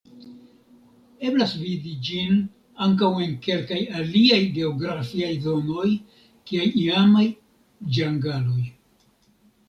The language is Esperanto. Eblas vidi ĝin ankaŭ en kelkaj aliaj geografiaj zonoj, kiaj iamaj ĝangaloj.